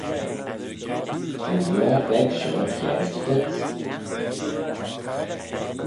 Ta'n lioar veg shoh kiarit dhyts!